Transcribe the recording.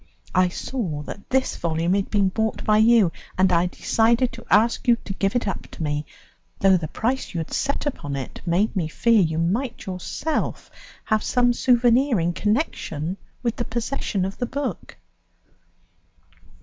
I saw that this volume had been bought by you, and I decided to ask you to give it up to me, though the price you had set upon it made me fear that you might yourself have some souvenir in connection with the possession of the book."